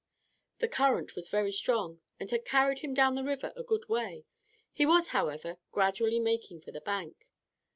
The current was very strong and had carried him down the river a good way. He was, however, gradually making for the bank.